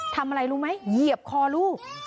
ทำอะไรรู้ไหมเหยียบคอลูก